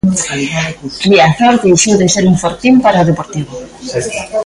Riazor deixou de ser un fortín para o Deportivo.